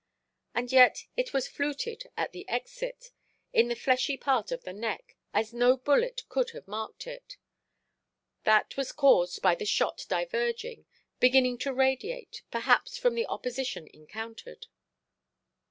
And yet it was fluted at the exit, in the fleshy part of the neck, as no bullet could have marked it. That was caused by the shot diverging, beginning to radiate, perhaps from the opposition encountered.